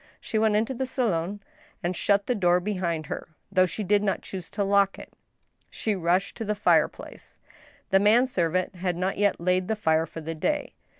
She went into the salon and shut the door behind her, though she did not choose to lock it. She rushed to the fireplace. The man servant had not yet laid the fire for the day.